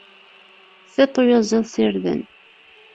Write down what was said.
Tiṭ uyaziḍ s irden.